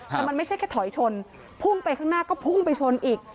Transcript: แต่มันไม่ใช่แค่ถอยชนพุ่งไปข้างหน้าก็พุ่งไปชนอีก